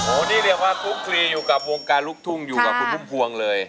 อันนี้เรียกว่าคุกคลีอยู่กับวงการลูกทุ่งอยู่กับคุณพุ่มพวงเลย